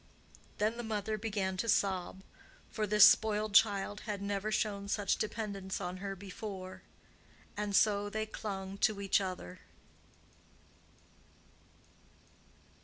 Then the mother began to sob, for this spoiled child had never shown such dependence on her before: and so they clung to each other.